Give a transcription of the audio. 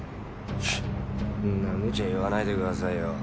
ふっんなむちゃ言わないでくださいよ。